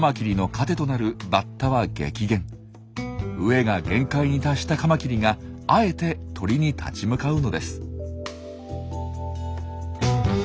飢えが限界に達したカマキリがあえて鳥に立ち向かうのです。